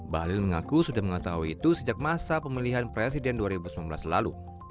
bahlil mengaku sudah mengetahui itu sejak masa pemilihan presiden dua ribu sembilan belas lalu